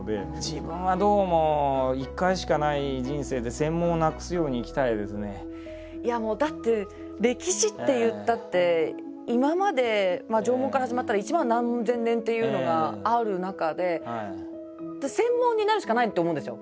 自分はいやもうだって歴史っていったって今まで縄文から始まったら１万何千年っていうのがある中で専門になるしかないって思うんですよ